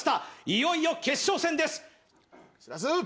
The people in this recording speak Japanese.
いよいよ決勝戦ですしらす！